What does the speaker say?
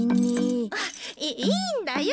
あっいいいんだよ。